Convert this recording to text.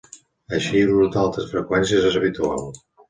Així, l'ús d'altes freqüències és habitual.